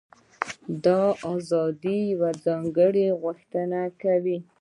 دا ازادي یوه ځانګړې غوښتنه کوي.